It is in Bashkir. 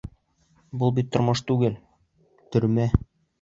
Был бит тормош түгел, төрмә!